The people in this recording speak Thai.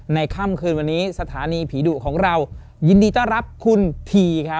ค่ำคืนวันนี้สถานีผีดุของเรายินดีต้อนรับคุณทีครับ